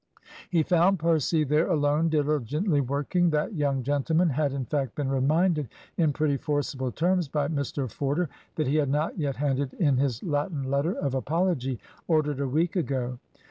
He found Percy there alone, diligently working. That young gentleman had in fact been reminded in pretty forcible terms by Mr Forder that he had not yet handed in his Latin letter of apology ordered a week ago.